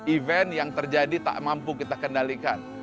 event yang terjadi tak mampu kita kendalikan